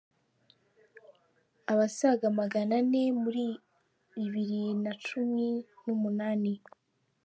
abasaga magana ane muri bibiri na cumi n’umunani